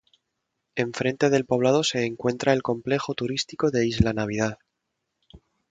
Enfrente del poblado se encuentra el complejo turístico de Isla Navidad.